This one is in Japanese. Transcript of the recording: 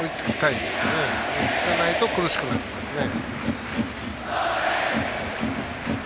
追いつかないと苦しくなりますね。